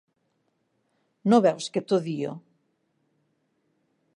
No veus que t'odio?